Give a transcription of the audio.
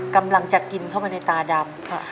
กำลังจะกินเข้าไปในตาดำ